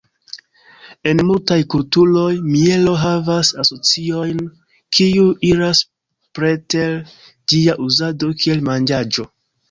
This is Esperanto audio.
En multaj kulturoj, mielo havas asociojn kiuj iras preter ĝia uzado kiel manĝaĵo.